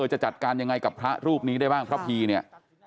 จะจัดการยังไงกับพระรูปนี้ได้บ้างพระพีเนี่ย